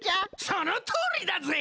そのとおりだぜ！